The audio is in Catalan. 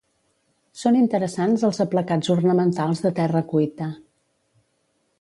Són interessants els aplacats ornamentals de terra cuita.